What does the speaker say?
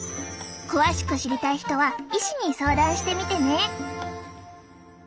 詳しく知りたい人は医師に相談してみてね。